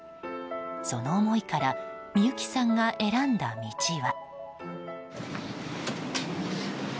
その思いから美由紀さんが選んだ道は。